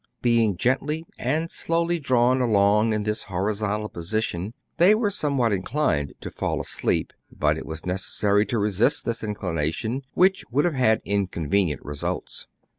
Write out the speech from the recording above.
Being gently and slowly drawn along in this horizontal position, they were somewhat inclined to fall asleep ; but it was neces sary to resist this inclination, which would have had inconvenient results.